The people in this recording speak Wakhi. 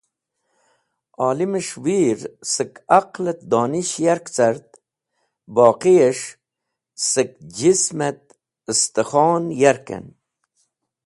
Olimẽs̃h wir sek aqtet dones̃h yark cart boqis̃h sẽk jismẽt estkhon yarkẽn